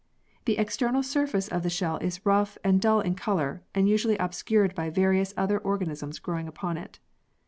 The external surface of the shell is rough and dull in colour and usually obscured by various other organisms growing upon it.